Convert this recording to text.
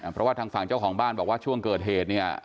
เพราะว่าทางฝั่งเจ้าของบ้านบอกว่าช่วงเกิดเหตุเนี่ย